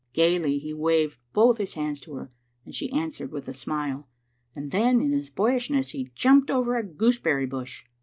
Gaily he waved both his hands to her, and she answered with a smile, and then, in his boyishness, he jumped over a gooseberry bush.